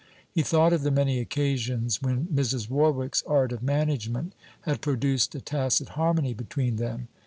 He thought of the many occasions when Mrs. Warwick's art of management had produced a tacit harmony between them.